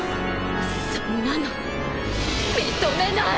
そんなの認めない！